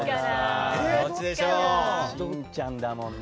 しんちゃんだもんな。